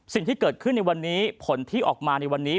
สิ่งที่เกิดขึ้นในวันนี้ผลที่ออกมาในวันนี้